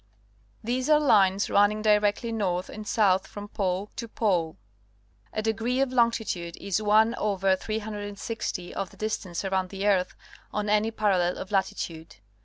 These are lines running directly north and south from pole to pole. A degree of longi tude is 7! Jit of the distance around the earth on any parallel of latitude.